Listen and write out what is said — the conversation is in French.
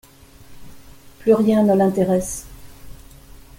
Plus rien ne l'intéresse.